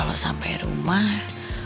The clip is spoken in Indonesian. tunggu sampe rumah